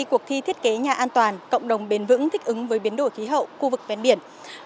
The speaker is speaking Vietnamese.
cuộc thi thiết kế nhà an toàn cộng đồng bền vững thích ứng với biến đổi khí hậu khu vực ven biển